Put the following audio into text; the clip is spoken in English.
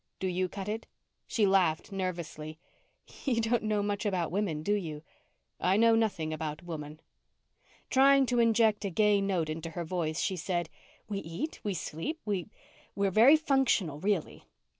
"Do you cut it?" She laughed nervously. "You don't know much about women, do you." "I know nothing about woman." Trying to inject a gay note into her voice, she said, "We eat, we sleep, we we're very functional, really."